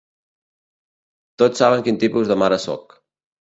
Tots saben quin tipus de mare sóc.